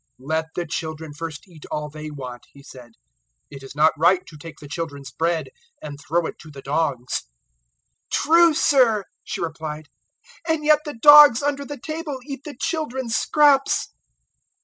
007:027 "Let the children first eat all they want," He said; "it is not right to take the children's bread and throw it to the dogs." 007:028 "True, Sir," she replied, "and yet the dogs under the table eat the children's scraps."